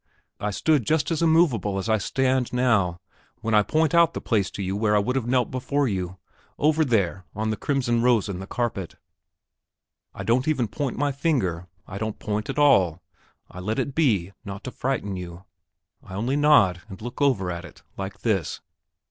I stood just as immovable as I stand now when I point out the place to you where I would have knelt before you, over there on the crimson rose in the carpet. I don't even point with my finger. I don't point at all; I let it be, not to frighten you. I only nod and look over at it, like this!